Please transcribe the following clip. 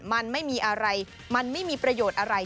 มันไม่มีอะไรมันไม่มีประโยชน์อะไร